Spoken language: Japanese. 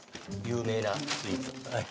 有名なスイーツはい。